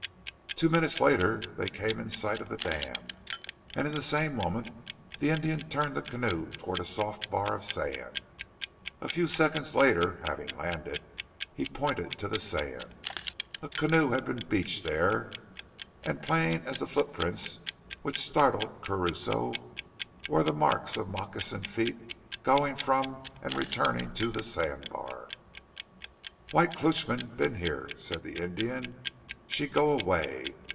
Two minutes later they came in sight of the dam and in the same moment the Indian turned the canoe towards a soft bar of sand. A few seconds later, having landed, he pointed to the sand. A canoe had been beached there, and plain as the footprints which startled Crusoe, were the marks of moccasined feet going from and returning to the sand bar. "White Klootchman been here!" said the Indian. "She go away.